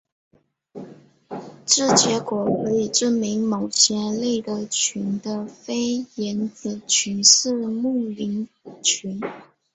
这结果可以证明某些类的群的菲廷子群是幂零群。